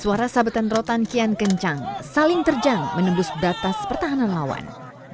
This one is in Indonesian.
suara sabetan rotan kian kencang saling terjang menembus batas pertahanan lawan